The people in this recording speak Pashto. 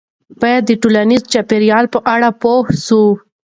باید د ټولنیز چاپیریال په اړه پوه سو.